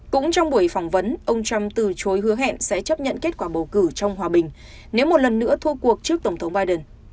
cũng trong buổi phỏng vấn ông trump từ chối hứa hẹn sẽ chấp nhận kết quả bầu cử trong hòa bình nếu một lần nữa thu cuộc trước tổng thống biden